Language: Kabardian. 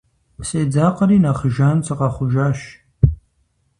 Седзакъэри, нэхъ жан сыкъэхъужащ.